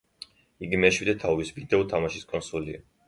იგი მეშვიდე თაობის ვიდეო თამაშის კონსოლია.